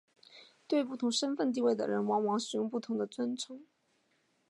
对不同身份地位的人往往使用不同的尊称。